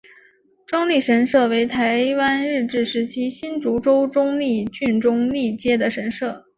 中坜神社为台湾日治时期新竹州中坜郡中坜街的神社。